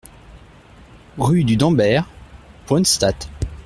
Rue du Damberg, Brunstatt